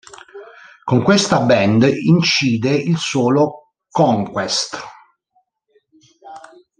Con questa band incide il solo "Conquest".